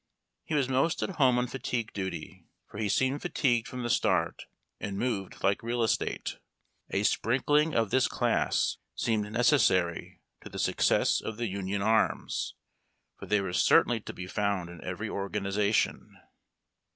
He was most at home on fatigue duty, for he seemed fatigued from the start and moved like real estate. A sprinkling of this class seemed necessary to the success of the Union arms, for they were certainly to be found in every organization.